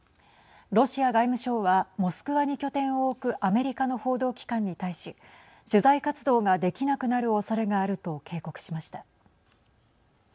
ロシア外務省はモスクワに拠点を置くアメリカの報道機関に対し取材活動ができなくなるおそれがあると警告しました。